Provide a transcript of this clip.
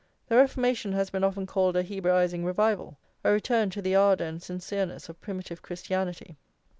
The Reformation has been often called a Hebraising revival, a return to the ardour and sincereness of primitive Christianity.